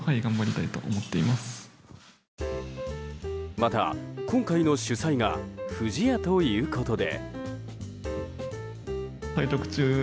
また、今回の主催が不二家ということで。